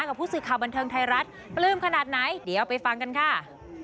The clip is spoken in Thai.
กับผู้สื่อข่าวบันเทิงไทยรัฐปลื้มขนาดไหนเดี๋ยวไปฟังกันค่ะ